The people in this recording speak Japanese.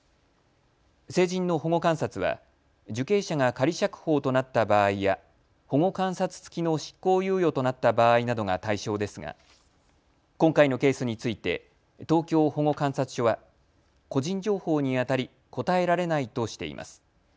成人の保護観察は受刑者が仮釈放となった場合や保護観察付きの執行猶予となった場合などが対象ですが今回のケースについて東京保護観察所は個人情報にあたり答えられないとしています。